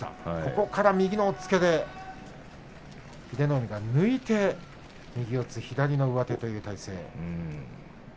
ここから右の押っつけで英乃海が抜いて右四つ左の上手という体勢。